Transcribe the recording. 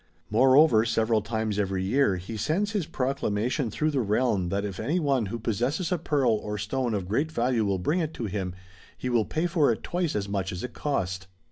More over several times every year he sends his proclamation through the realm that if any one who possesses a pearl or stone of great value will bring it to him, he will pay for it twice as much as it cost.